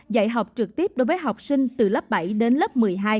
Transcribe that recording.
dạy học trực tiếp đối với học sinh từ lớp bảy đến lớp một mươi hai